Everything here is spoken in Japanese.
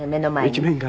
目の前に。